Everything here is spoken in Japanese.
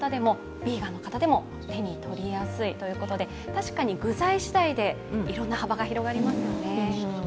確かに具材次第でいろんな幅が広がりますよね。